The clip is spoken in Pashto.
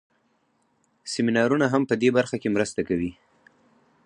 سمینارونه هم په دې برخه کې مرسته کوي.